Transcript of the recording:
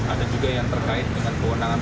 ada juga yang terkait dengan kewenangan